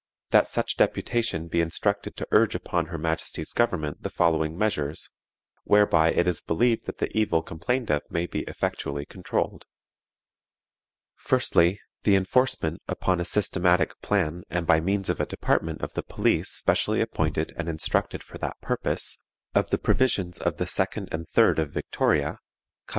"That such deputation be instructed to urge upon her majesty's government the following measures, whereby it is believed that the evil complained of may be effectually controlled: "Firstly, the enforcement, upon a systematic plan and by means of a department of the police specially appointed and instructed for that purpose, of the provisions of the 2d and 3d of Victoria, cap.